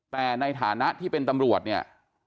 แต่ในฐานะที่เป็นตำรวจเนี่ย